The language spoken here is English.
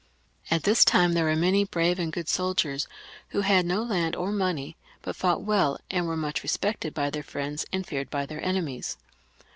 At this time there wefe many brave and good soldiers who had no land or money, but fought well, and were much respected by their Mends and feared by their enemies.